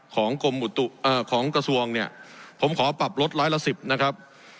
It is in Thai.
ของกรมอุตุเอ่อของกระทรวงเนี่ยผมขอปรับลดร้อยละสิบนะครับ